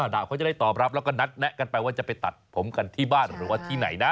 ดาบเขาจะได้ตอบรับแล้วก็นัดแนะกันไปว่าจะไปตัดผมกันที่บ้านหรือว่าที่ไหนนะ